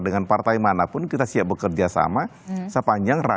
dengan partai mana pun